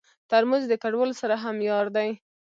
ترموز د کډوالو سره هم یار دی.